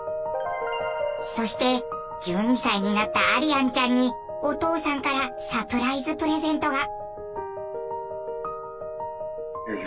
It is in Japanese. そして１２歳になったアリアンちゃんにお父さんからサプライズプレゼントが。